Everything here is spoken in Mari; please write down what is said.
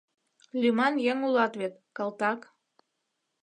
Лӱман еҥ улат вет, калтак!